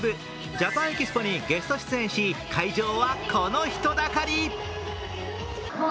ＪａｐａｎＥｘｐｏにゲスト出演し会場はこの人だかり。